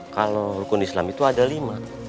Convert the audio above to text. kalau rukun islam itu ada lima